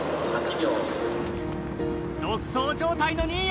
独走状態の新谷。